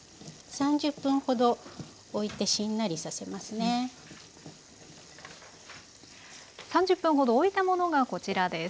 ３０分ほどおいたものがこちらです。